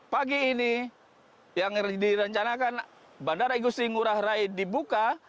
pagi ini yang direncanakan bandara igusti ngurah rai dibuka